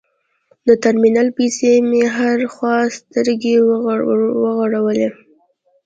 د ترمینل پسې مې هره خوا سترګې وغړولې.